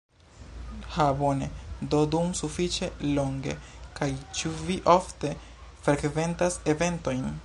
Ha bone do dum sufiĉe longe! kaj ĉu vi ofte frekventas eventojn